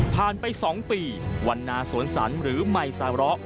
ผ่านไป๒ปีวันนาสวนสรรหรือไหมสาระ